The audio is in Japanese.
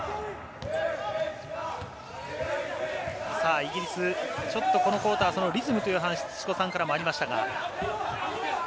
イギリス、ちょっとこのクオーター、リズムという話も土子さんからありましたが。